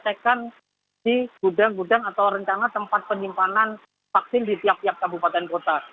penyimpanan vaksin sudah dilakukan di gudang gudang atau rencana tempat penyimpanan vaksin di tiap tiap kabupaten kota